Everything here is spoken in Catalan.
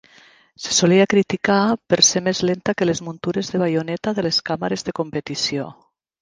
Se solia criticar per ser més lenta que les muntures de baioneta de les càmeres de competició